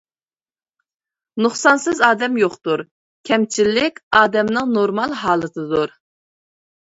نۇقسانسىز ئادەم يوقتۇر، كەمچىلىك ئادەمنىڭ نورمال ھالىتىدۇر.